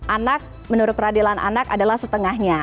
anak menurut peradilan anak adalah setengahnya